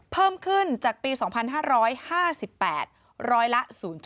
เพิ่มขึ้นจากปี๒๕๕๘ร้อยละ๐๗